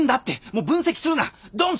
もう分析するな。